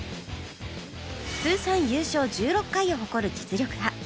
通算優勝１６回を誇る実力派